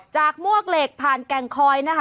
มวกเหล็กผ่านแก่งคอยนะคะ